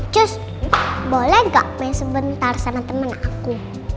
cus boleh gak main sebentar sama temen aku